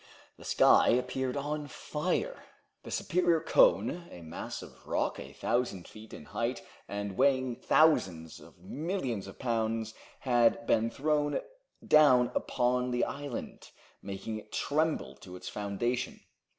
The sky appeared on fire. The superior cone, a mass of rock a thousand feet in height, and weighing thousands of millions of pounds, had been thrown down upon the island, making it tremble to its foundation.